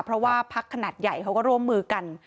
เพราะว่าพักขนาดใหญ่เขาก็ร่วมมือกัน